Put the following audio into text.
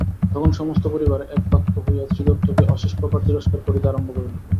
তখন সমস্ত পরিবার একবাক্য হইয়া শ্রীদত্তকে অশেষপ্রকার তিরস্কার করিতে আরম্ভ করিল।